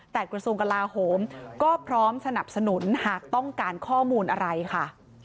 แต่กระทรวงกลาโหมก็พร้อมสนับสนุนหากต้องการข้อมูลอะไรค่ะ